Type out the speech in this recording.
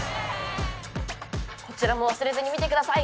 こちらもわすれずに見てください！